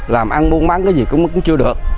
làm ăn buôn bán cái gì cũng chưa được